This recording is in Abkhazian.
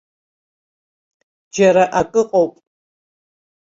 Џьара акыҟоуп.